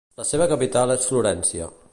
La seva capital és Florència.